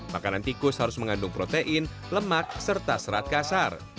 makanan tikus harus mengandung protein lemak serta serat kasar